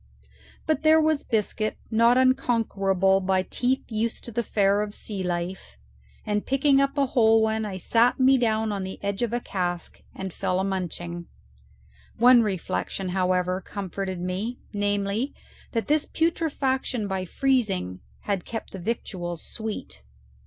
But there was biscuit not unconquerable by teeth used to the fare of the sea life, and picking up a whole one, I sat me down on the edge of a cask and fell a munching. One reflection, however, comforted me, namely, that this petrifaction by freezing had kept the victuals sweet.